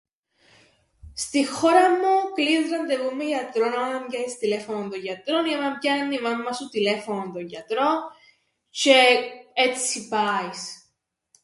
Στην χώραν μου κλείεις ραντεβού με γιατρόν άμαν πιάεις τηλέφωνο τον γιατρόν ή άμαν πιάννει η μάμμα σου τηλέφωνον τον γιατρόν τζ̆αι έτσι πάεις.